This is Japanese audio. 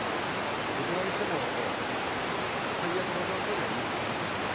どちらにしても最悪の状況よりはいいかなと思います。